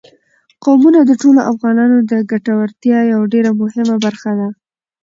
قومونه د ټولو افغانانو د ګټورتیا یوه ډېره مهمه برخه ده.